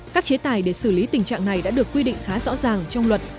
các chế tài để xử lý tình trạng này đã được quy định khá rõ ràng trong luật